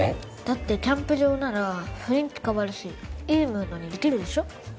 だってキャンプ場なら雰囲気変わるしいいムードにできるでしょ？